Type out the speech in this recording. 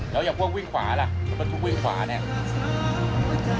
แล้วอย่างพวกวิ่งขวาล่ะรถบรรทุกวิ่งขวาเนี่ย